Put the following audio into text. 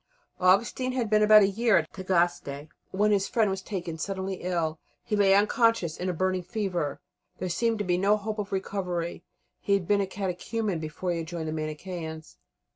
Augustine had been about a year at Tagaste when this friend was taken suddenly ill. He lay unconscious in a burning fever; there seemed to be no hope of recovery. He had been a catechumen before he had joined the Manicheans.